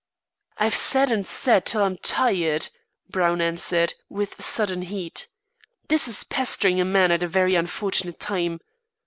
"I've said and said till I'm tired," Brown answered, with sudden heat. "This is pestering a man at a very unfortunate time.